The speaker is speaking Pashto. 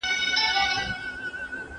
¬ پر اسمان ستوری نه لري، پر مځکه غولی.